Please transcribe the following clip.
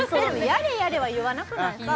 「やれやれ」は言わなくないですか？